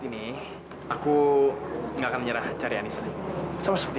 terima kasih selalu jujur suatu pukul hari